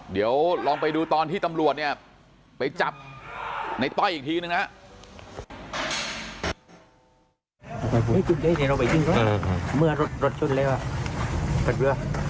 เดี๋ยวลองไปดูตอนที่ตำรวจเนี่ยไปจับในต้อยอีกทีหนึ่งนะครับ